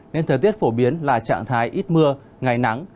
nên thời tiết phổ biến là trạng thái ít mưa ngày nắng